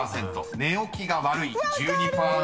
［寝起きが悪い１２％と］